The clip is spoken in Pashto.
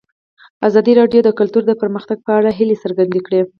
ازادي راډیو د کلتور د پرمختګ په اړه هیله څرګنده کړې.